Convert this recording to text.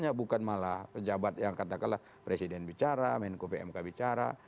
ya bukan malah pejabat yang katakanlah presiden bicara menko pmk bicara